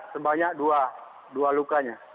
sebanyak dua lukanya